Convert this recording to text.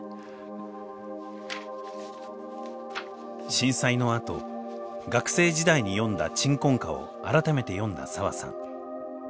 震災のあと学生時代に読んだ「鎮魂歌」を改めて読んだ澤さん。